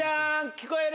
聞こえる？